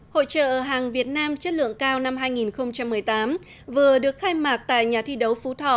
hội trợ hàng việt nam chất lượng cao năm hai nghìn một mươi tám vừa được khai mạc tại nhà thi đấu phú thọ